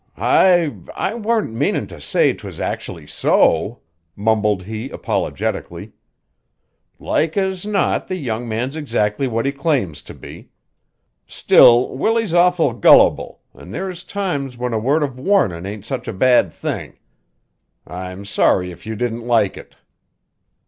"I I warn't meanin' to say 'twas actually so," mumbled he apologetically. "Like as not the young man's 'xactly what he claims to be. Still, Willie's awful gullible, an' there's times when a word of warnin' ain't such a bad thing. I'm sorry if you didn't like it."